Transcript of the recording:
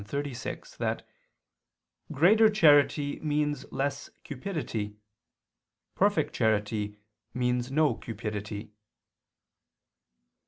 36) that "greater charity means less cupidity, perfect charity means no cupidity."